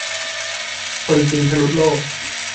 คนจริงทะลุโลก